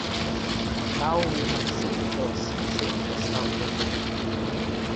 ‘Now we must sit close,’ said the stout gentleman.